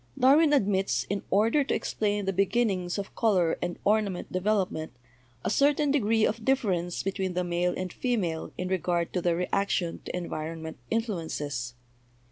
"Darwin admits, in order to explain the beginnings of color and ornament development, a certain degree of difference between the male and female in regard to their reaction to environment influences.